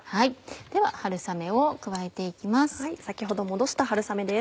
では春雨を加えて行きます。